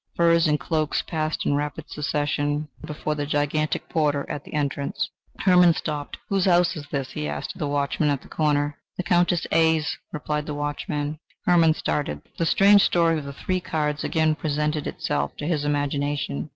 Furs and cloaks passed in rapid succession before the gigantic porter at the entrance. Hermann stopped. "Whose house is this?" he asked of the watchman at the corner. "The Countess A 's," replied the watchman. Hermann started. The strange story of the three cards again presented itself to his imagination.